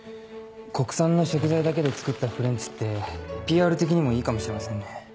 国産の食材だけで作ったフレンチってＰＲ的にもいいかもしれませんね。